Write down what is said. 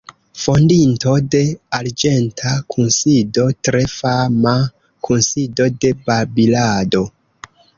Fondinto de „Arĝenta Kunsido";, tre fama kunsido de babilado.